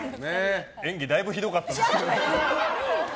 演技、だいぶひどかったですね。